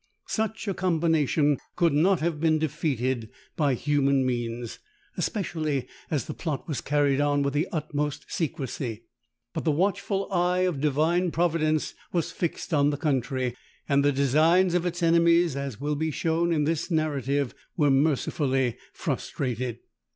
Such a combination could not have been defeated by human means, especially as the plot was carried on with the utmost secresy: but the watchful eye of divine providence was fixed on the country, and the designs of its enemies, as will be shown in this narrative, were mercifully frustrated.